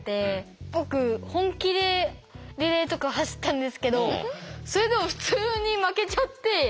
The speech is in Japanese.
僕本気でリレーとか走ったんですけどそれでも普通に負けちゃって。